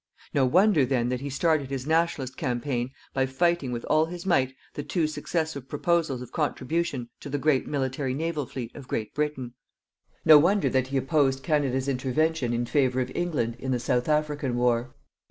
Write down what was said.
No wonder then that he started his "Nationalist" campaign by fighting with all his might the two successive proposals of contribution to the great military naval fleet of Great Britain. No wonder that he opposed Canada's intervention in favour of England in the South African war.